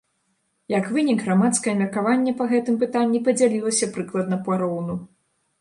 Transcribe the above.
Як вынік, грамадскае меркаванне па гэтым пытанні падзялілася прыкладна пароўну.